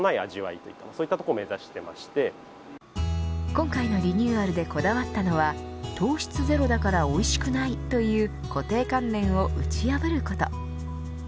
今回のリニューアルでこだわったのは糖質ゼロだからおいしくないという固定観念を打ち破ること。